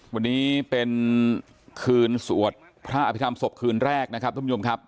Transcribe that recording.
วันนี้เป็นคืนสวดพระอภิษฐรรมศพคืนแรกนะครับท่านผู้ชมครับ